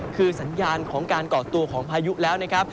คือสัญญาณของการก่อตัวของพายุแล้วนะครับ